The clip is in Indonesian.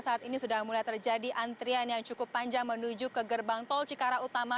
saat ini sudah mulai terjadi antrian yang cukup panjang menuju ke gerbang tol cikarang utama